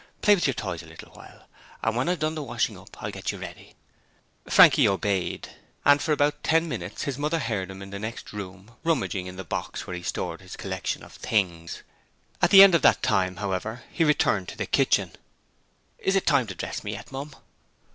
Play with your toys a little while, and when I've done the washing up I'll get you ready.' Frankie obeyed, and for about ten minutes his mother heard him in the next room rummaging in the box where he stored his collection of 'things'. At the end of that time, however, he returned to the kitchen. 'Is it time to dress me yet, Mum?'